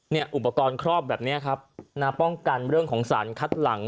อุปกรณ์ครอบแบบนี้ครับนะป้องกันเรื่องของสารคัดหลัง